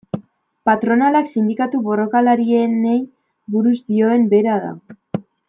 Patronalak sindikatu borrokalarienei buruz dioen bera da.